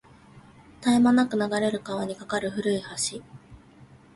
絶え間なく流れる川に架かる古い橋